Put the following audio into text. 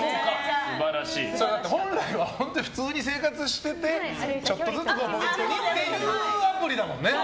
本来は普通に生活しててちょっとずつポイントにというアプリだもんね。